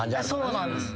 そうなんです。